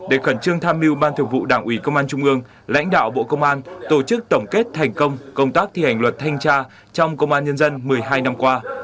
để khẩn trương tham mưu ban thượng vụ đảng ủy công an trung ương lãnh đạo bộ công an tổ chức tổng kết thành công công tác thi hành luật thanh tra trong công an nhân dân một mươi hai năm qua